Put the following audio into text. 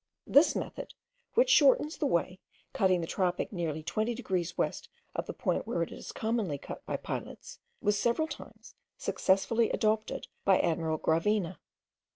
This method, which shortens the way, cutting the tropic nearly twenty degrees west of the point where it is commonly cut by pilots, was several times successfully adopted by Admiral Gravina.